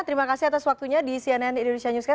terima kasih atas waktunya di cnn indonesia newscast